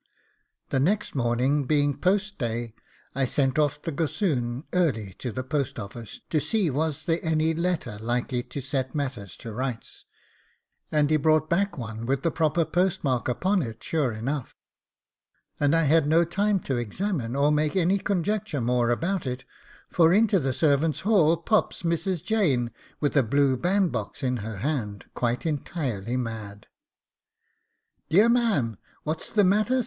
The next morning, being post day, I sent off the gossoon early to the post office, to see was there any letter likely to set matters to rights, and he brought back one with the proper postmark upon it, sure enough, and I had no time to examine or make any conjecture more about it, for into the servants' hall pops Mrs. Jane with a blue bandbox in her hand, quite entirely mad. 'Dear ma'am, and what's the matter?